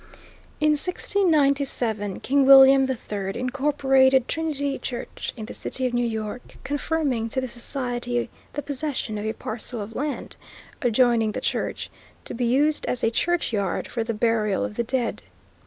In 1697 King William III incorporated Trinity Church in the City of New York, confirming to the society the possession of a parcel of land, adjoining the church, to be used as a churchyard for the burial of the dead.